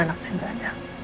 anak saya berada